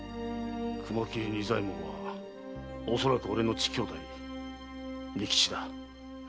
雲切仁左衛門はおそらく俺の乳兄弟・仁吉だ。